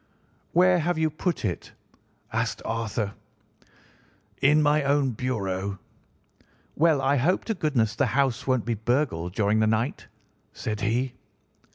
"'Where have you put it?' asked Arthur. "'In my own bureau.' "'Well, I hope to goodness the house won't be burgled during the night.' said he.